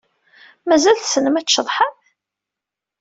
Mazal tessnem ad tceḍḥem?